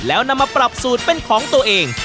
แล้วนำมาปรับสูตรเป็นของตัวเอง